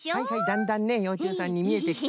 だんだんねようちゅうさんにみえてきた。